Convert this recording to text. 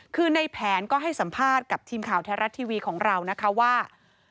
คือในแผนก็ให้สัมภาษณ์กับทีมข่าวแท้รัฐทีวีของเรานะคะว่า